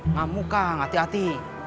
ngamuk kang hati hati